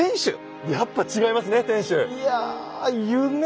やっぱ違いますね天主。